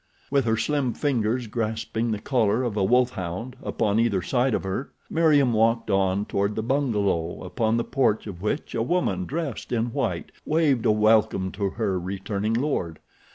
With her slim fingers grasping the collar of a wolf hound upon either side of her Meriem walked on toward the bungalow upon the porch of which a woman dressed in white waved a welcome to her returning lord.